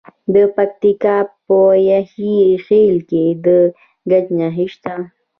د پکتیکا په یحیی خیل کې د ګچ نښې شته.